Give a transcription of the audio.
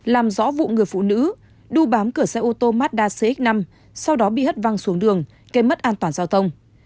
làm rõ vụ người phụ nữ đu bám cửa xe ô tô mazda cx năm sau đó bị hất văng xuống đường gây mất an toàn giao thông